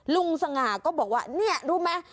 สง่าก็บอกว่าเนี่ยรู้ไหม